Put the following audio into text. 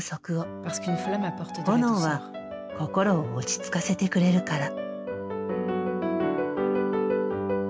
炎は心を落ち着かせてくれるから。